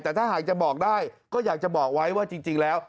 แต่ถ้าหากจะบอกได้ก็อยากจะบอกไว้ว่าจริงแล้ว